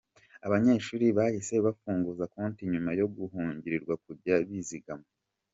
Abanyeshuri bahise bafunguza konti nyuma yo guhugurirwa kujya bizigama.